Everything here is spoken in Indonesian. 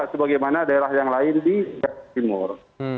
sebagaimana daerah yang lain di jawa timur